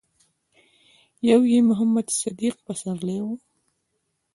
يو يې محمد صديق پسرلی و.